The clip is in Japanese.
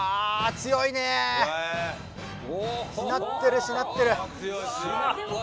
強いねしなってるしなってるうわ